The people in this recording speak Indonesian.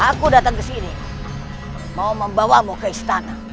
aku datang ke sini mau membawamu ke istana